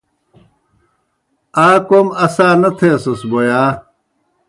آ کوْم اسا نہ تھیسَس بوْ ہا؟